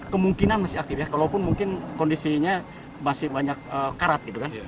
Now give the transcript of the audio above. kemungkinan masih aktif ya walaupun mungkin kondisinya masih banyak karat gitu kan